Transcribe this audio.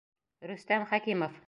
Рөстәм Хәкимов: